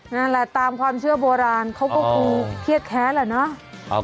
นั่นแหละตามความเชื่อโบราณเขาก็คงเครียดแค้นแหละเนาะ